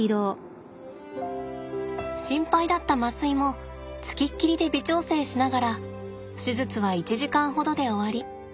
心配だった麻酔も付きっきりで微調整しながら手術は１時間ほどで終わり。